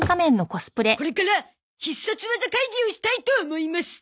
これから必殺技会議をしたいと思います。